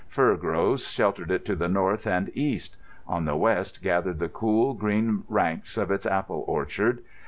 Fir groves sheltered it to north and east. On the west gathered the cool, green ranks of its apple orchard.